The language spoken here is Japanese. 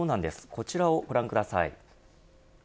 こちらをご覧ください。